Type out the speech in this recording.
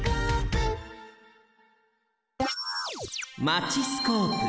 マチスコープ。